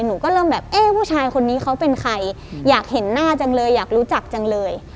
หนูก็เริ่มแบบเอ๊ะผู้ชายคนนี้เขาเป็นใครอยากเห็นหน้าจังเลยอยากรู้จักจังเลย